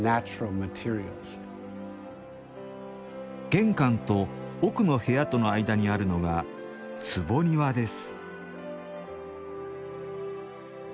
玄関と、奥の部屋との間にあるのが「坪庭」です。